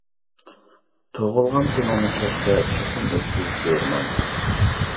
تۇغۇلغان كۈنۈڭنى كەچتە چوقۇم ئۆتكۈزۈپ بېرىمەن.